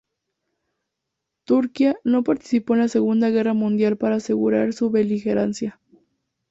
Turquía no participó en la segunda guerra mundial para asegurar su beligerancia.